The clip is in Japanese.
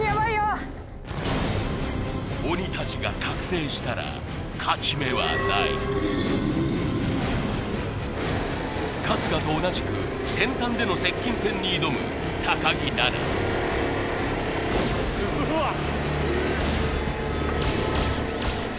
鬼たちが覚醒したら勝ち目はない春日と同じく先端での接近戦に挑む木菜那うわっ！